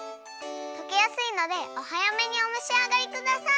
とけやすいのでおはやめにおめしあがりください。